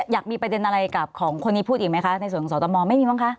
อยากมีประเด็นอะไรกับของคนนี้พูดอีกไหมคะในส่วนของสตมไม่มีบ้างคะ